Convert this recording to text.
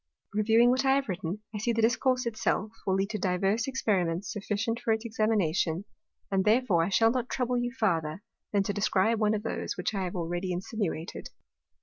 Reviewing what I have written, I see the Discourse it self will lead to divers Experiments sufficient for its Examination; and therefore I shall not trouble you farther, than to describe one of those, which I have already insinuated.